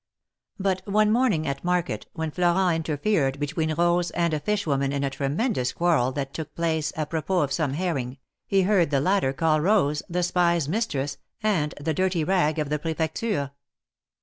But one morning, at market, when Florent interfered between Rose and a fish woman in a tremendous quarrel that took place apropos of some herring, he heard the latter call Rose the spy's mistress," and the dirty rag of the Prefecture."